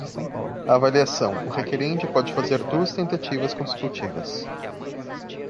Avaliação: o requerente pode fazer duas tentativas consecutivas.